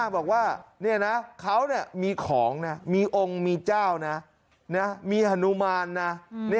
บอกว่าเขามีของมีองค์มีเจ้ามีหนุมาน